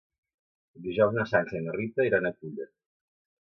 Dijous na Sança i na Rita iran a Culla.